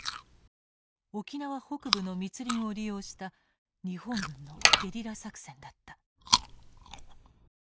沖縄北部の密林を利用した日本軍のゲリラ作戦だった。